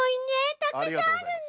たくさんあるね。